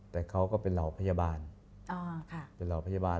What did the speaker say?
แต่เขาก็เป็นเหล่าพยาบาล